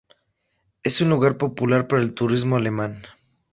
Es un lugar popular para el turismo alemán.